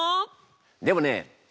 でもね